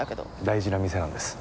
大事な店なんです。